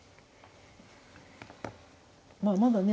まあまだね